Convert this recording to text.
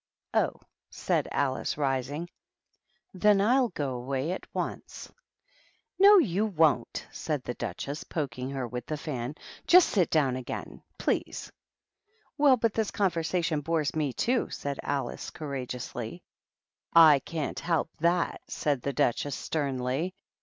•" Oh," said Alice, rising, " then I'll go away at once." THE RED QU££N AND TH£ DUCHESS. 133 ^* No, you w(mHj^ said the Duchess, poking her with the fan; "just sit down again, please." " Well but this conversation bores me too," said Alice, courageously. " I can't help that," said the Duchess, sternly.